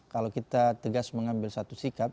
kalau kita tegas mengambil satu sikap